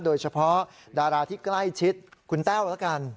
โดยเฉพาะดาราที่ใกล้ชิดคุณแต้วแล้วกัน